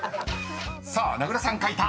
［さあ名倉さん書いた］